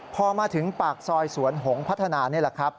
พอมาถึงปากซอยสวนหงษ์พัฒนานี่แหละครับ